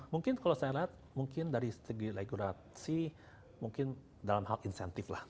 mungkin kalau saya lihat mungkin dari segi regulasi mungkin dalam hal insentif lah